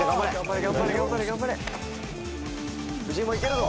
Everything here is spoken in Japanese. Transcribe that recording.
藤井もいけるぞ。